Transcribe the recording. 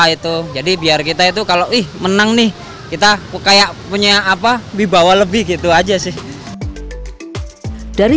itu jadi biar kita itu kalau ih menang nih kita kayak punya apa dibawa lebih gitu aja sih dari